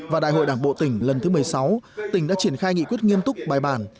và đại hội đảng bộ tỉnh lần thứ một mươi sáu tỉnh đã triển khai nghị quyết nghiêm túc bài bản